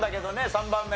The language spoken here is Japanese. ３番目。